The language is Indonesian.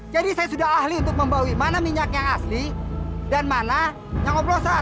jadi saya sudah ahli untuk membawa mana minyaknya asli dan mana yang oplosan